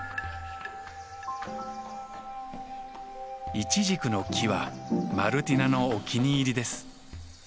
イチジクの木はマルティナのお気に入りです。